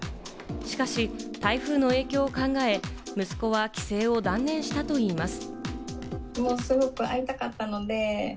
しかし台風の影響を考え、息子は帰省を断念したといいます。